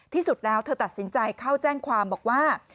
ที่สุดแล้วเธอตัดสินใจเข้าแจ้งความบอกว่า